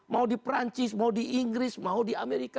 mau di perancis mau di inggris mau di amerika